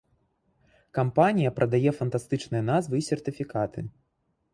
Кампанія прадае фантастычныя назвы і сертыфікаты.